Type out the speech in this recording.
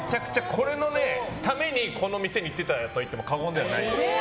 これのためにこの店に行ってたと言っても過言ではない。